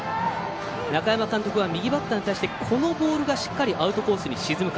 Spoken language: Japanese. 中山監督は、右バッターに対してこのボールがしっかりアウトコースに沈むか。